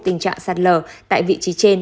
tình trạng sạt lờ tại vị trí trên